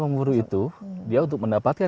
memburu itu dia untuk mendapatkan